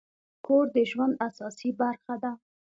کور د ژوند اساسي برخه ده.